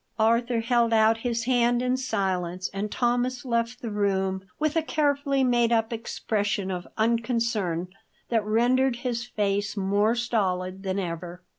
Arthur held out his hand in silence, and Thomas left the room with a carefully made up expression of unconcern that rendered his face more stolid than ever.